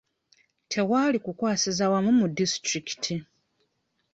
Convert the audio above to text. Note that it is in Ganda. Tewali kukwasiza wamu ku disitulikiti.